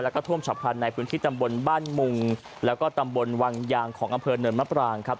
แล้วก็ท่วมฉับพลันในพื้นที่ตำบลบ้านมุงแล้วก็ตำบลวังยางของอำเภอเนินมะปรางครับ